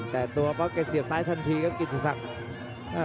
แต่ตัวพักมันก็เสียบซ้ายทันทีครับกิศักดิ์